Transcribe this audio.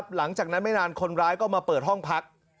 หลังจากนั้นไม่นานคนร้ายก็มาเปิดห้องพัก